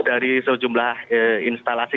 dari sejumlah instalasi